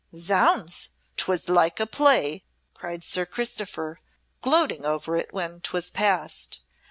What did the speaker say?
"Zounds, 'twas like a play!" cried Sir Christopher, gloating over it when 'twas past.